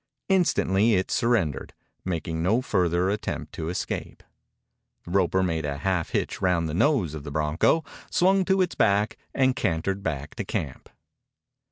Instantly it surrendered, making no further, attempt to escape. The roper made a half hitch round the nose of the bronco, swung to its back, and cantered back to camp.